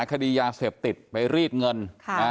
คดียาเสพติดไปรีดเงิน